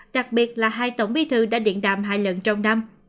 đặc biệt là hai tổng bí thư đã điện đàm hai lần trong năm